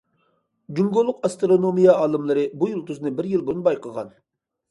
جۇڭگولۇق ئاسترونومىيە ئالىملىرى بۇ يۇلتۇزنى بىر يىل بۇرۇن بايقىغان.